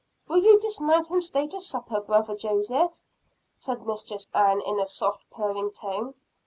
"Will you dismount and stay to supper, brother Joseph?" said Mistress Ann, in a soft purring tone.